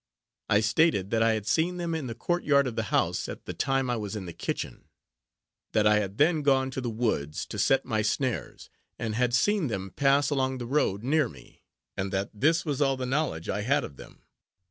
I stated that I had seen them in the court yard of the house, at the time I was in the kitchen; that I had then gone to the woods, to set my snares, and had seen them pass along the road near me, and that this was all the knowledge I had of them.